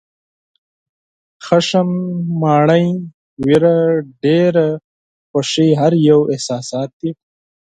غوسه، خپګان، ویره، ډېره خوښي هر یو احساسات دي.